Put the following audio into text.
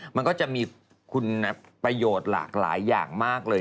มันก็จะมีคุณประโยชน์หลากหลายอย่างมากเลย